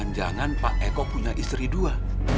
jangan jangan pak eko punya istri dua